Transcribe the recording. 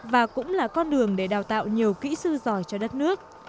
và cũng là con đường để đào tạo nhiều kỹ sư giỏi cho đất nước